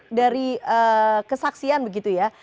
mungkin dari perbedaan begitu ya